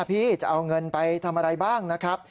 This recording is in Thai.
พี่จะเอาเงินไปทำอะไรบ้างนะครับ